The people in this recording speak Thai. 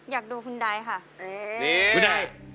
อยากดูคุณไดค่ะ